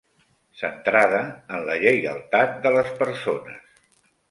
Centrada en la lleialtat de les persones